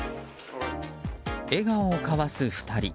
笑顔を交わす２人。